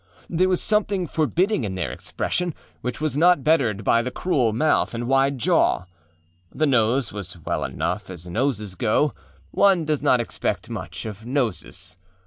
There was something forbidding in their expression, which was not bettered by the cruel mouth and wide jaw. The nose was well enough, as noses go; one does not expect much of noses.